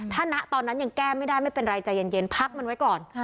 ถ้าณตอนนั้นยังแก้ไม่ได้ไม่เป็นไรใจเย็นพักมันไว้ก่อน